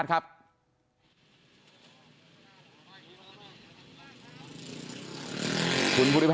สวัสดีคุณผู้ชมนุม